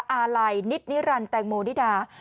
อาลัยนิดนิรันดิแตงโมนิดา